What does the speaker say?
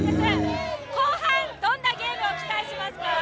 後半、どんなゲーム期待しますか。